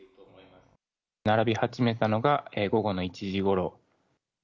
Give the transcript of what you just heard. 並び始めたのが午後の１時ごろ。